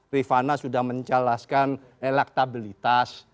rifana sudah menjelaskan elektabilitas